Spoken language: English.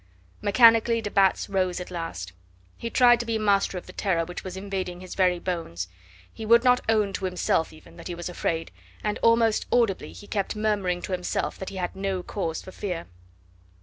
Mechanically de Batz rose at last. He tried to be master of the terror which was invading his very bones. He would not own to himself even that he was afraid, and almost audibly he kept murmuring to himself that he had no cause for fear.